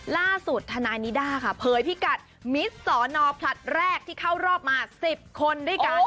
ล่าสุดธนายนิด้าค่ะเผยพิกัดมิสสอนอผลัดแรกที่เข้ารอบมา๑๐คนด้วยกัน